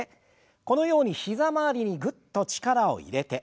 このように膝周りにぐっと力を入れて。